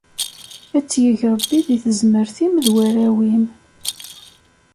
Ad tt-yeg Ṛebbi di tezmert-im d warraw-im.